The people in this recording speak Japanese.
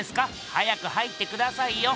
早く入ってくださいよ！